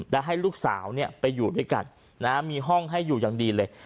และให้ลูกสาวไปอยู่ด้วยกันมีห้องให้อยู่อย่างดีเลย